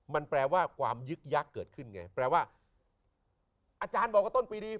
มันแปลว่าความยึกยักษ์เกิดขึ้นไงแปลว่าอาจารย์บอกว่าต้นปีนี้